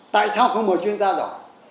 tại sao không mở chuyên gia rõ